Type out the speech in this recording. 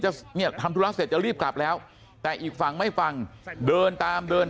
จะเนี่ยทำธุระเสร็จจะรีบกลับแล้วแต่อีกฝั่งไม่ฟังเดินตามเดิน